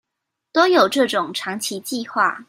都有這種長期計畫